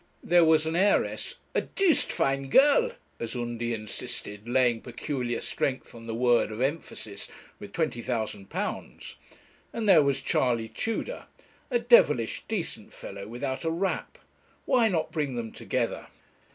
There was an heiress, a 'doosed fine girl' as Undy insisted, laying peculiar strength on the word of emphasis, with £20,000, and there was Charley Tudor, a devilish decent fellow, without a rap. Why not bring them together?